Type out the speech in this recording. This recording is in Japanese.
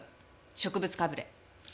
植物かぶれ。